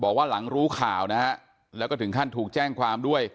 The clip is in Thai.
บอกว่าหลังรู้ข่าวนะฮะแล้วก็ถึงขั้นถูกแจ้งความด้วย